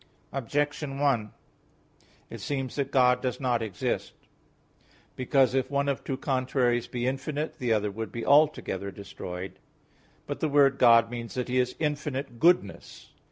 Objection 1: It seems that God does not exist; because if one of two contraries be infinite, the other would be altogether destroyed. But the word "God" means that He is infinite goodness.